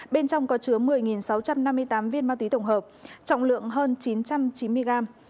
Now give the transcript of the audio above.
bên trong có chứa một mươi sáu trăm năm mươi tám viên ma túy tổng hợp trọng lượng hơn chín trăm chín mươi gram